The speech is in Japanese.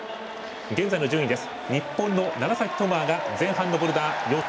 現在の順位です。